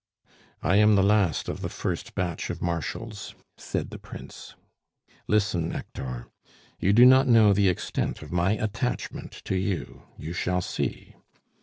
"I am the last of the first batch of Marshals," said the Prince. "Listen, Hector. You do not know the extent of my attachment to you; you shall see.